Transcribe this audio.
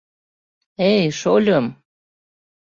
Эй, шольым!